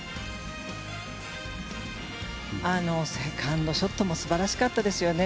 セカンドショットも素晴らしかったですよね。